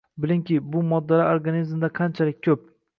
Bilingki, bu moddalar organizmda qanchalik ko'p.